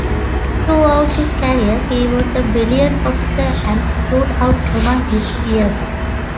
Throughout his career, he was a brilliant officer and stood out among his peers.